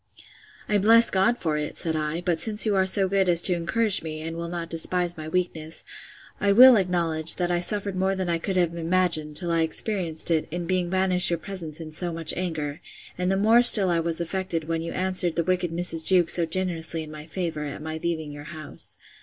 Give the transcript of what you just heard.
I bless God for it, said I; but since you are so good as to encourage me, and will not despise my weakness, I will acknowledge, that I suffered more than I could have imagined, till I experienced it, in being banished your presence in so much anger; and the more still was I affected, when you answered the wicked Mrs. Jewkes so generously in my favour, at my leaving your house.